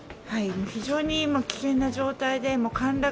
非常に危険な状態で陥落